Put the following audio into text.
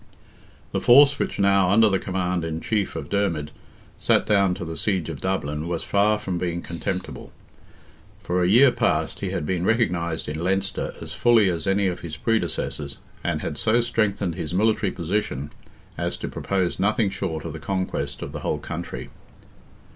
The force which now, under the command in chief of Dermid, sat down to the siege of Dublin, was far from being contemptible. For a year past he had been recognized in Leinster as fully as any of his predecessors, and had so strengthened his military position as to propose nothing short of the conquest of the whole country.